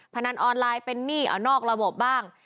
พนันออนไลน์เป็นหนี้นอกระบบบ้าง